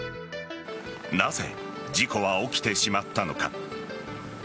なぜ事故は起きてしまったのか。